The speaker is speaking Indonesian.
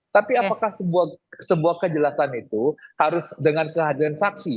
tapi apakah sebuah kejelasan itu harus dengan kehadiran saksi